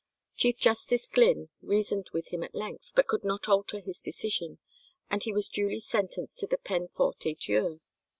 Chief Justice Glyn reasoned with him at length, but could not alter his decision, and he was duly sentenced to the peine forte et dure.